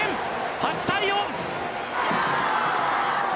８対４！